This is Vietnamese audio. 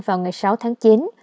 vào ngày sáu tháng chín